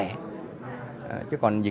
chứ còn dịch chúng ta đào tạo trong nước